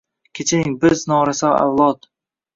Kechiring, biz noraso avlod.